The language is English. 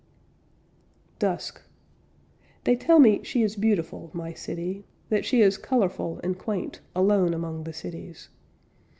DUSK They tell me she is beautiful, my City, That she is colorful and quaint, alone Among the cities.